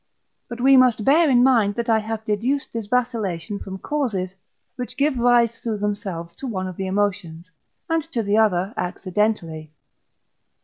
But we must bear in mind that I have deduced this vacillation from causes, which give rise through themselves to one of the emotions, and to the other accidentally.